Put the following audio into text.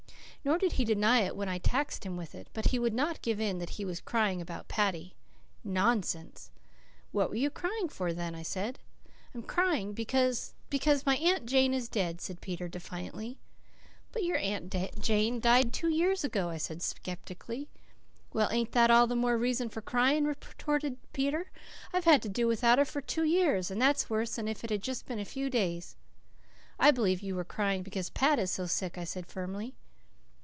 Nor did he deny it when I taxed him with it, but he would not give in that he was crying about Paddy. Nonsense! "What were you crying for, then?" I said. "I'm crying because because my Aunt Jane is dead," said Peter defiantly. "But your Aunt Jane died two years ago," I said skeptically. "Well, ain't that all the more reason for crying?" retorted Peter. "I've had to do without her for two years, and that's worse than if it had just been a few days." "I believe you were crying because Pat is so sick," I said firmly.